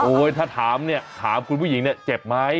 โอ๊ยถ้าถามคุณผู้หญิงเจ็บไหม